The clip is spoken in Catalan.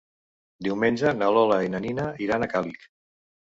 Diumenge na Lola i na Nina iran a Càlig.